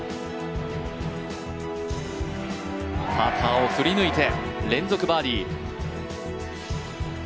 パターを振り抜いて連続バーディー。